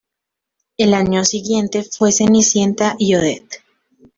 El año siguiente fue Cenicienta y Odette.